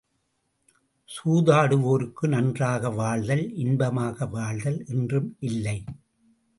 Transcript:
சூதாடுவோருக்கு நன்றாக வாழ்தல், இன்பமாக வாழ்தல் என்றும் இல்லை!